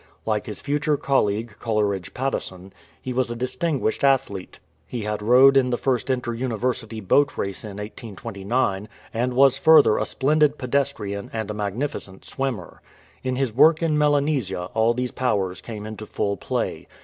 Like his future colleague Coleridge Patteson, he was a distinguished athlete. He had rowed in the first Inter University Boat Race in 1829, and was further a spendid pedestrian and a magnificent swimmer. In his work in Melanesia all these powers came into full play.